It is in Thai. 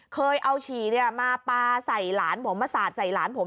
เคยเอาฉี่มาปลาใส่หลานผมมาสาดใส่หลานผม